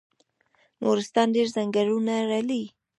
نورستان ډیر ځنګلونه لري